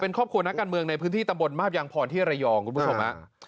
เป็นครอบครัวนักการเมืองในพื้นที่ตำบลมาบยางพรที่ระยองคุณผู้ชมฮะ